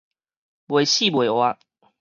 袂死袂活